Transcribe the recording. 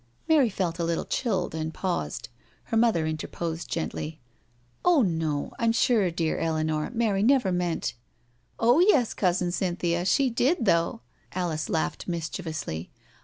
Mary felt a little chilled, and paused. Her mother interposed gently: " Oh no, I'm sure, dear Eleanor, Mary never meant ..."" Oh yes, Cousin Cynthia, she did though," Alice laughed mischievously.